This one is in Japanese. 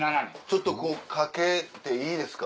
ちょっとかけていいですか？